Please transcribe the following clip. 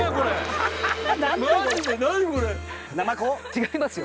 違いますよ。